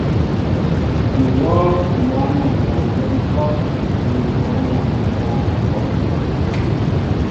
M̀ wɔ́ɔ́ŋ mwǎyaŋ mwanjóm ŋ̀hɔ́' ni mwǎyaŋ mwǎ ŋ̀hɔ́.